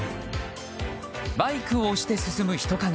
バイクを押して進む人影。